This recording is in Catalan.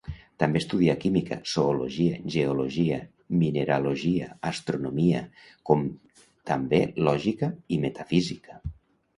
També estudià química, zoologia, geologia, mineralogia, astronomia com també lògica i metafísica.